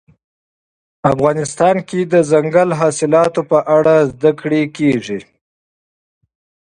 افغانستان کې د دځنګل حاصلات په اړه زده کړه کېږي.